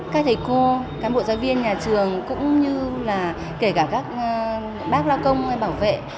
các thầy cô các bộ giáo viên nhà trường cũng như là kể cả các bác lao công hay bảo vệ